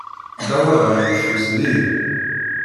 Dewwer ɣer yeffus dihin.